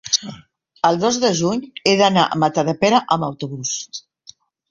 el dos de juny he d'anar a Matadepera amb autobús.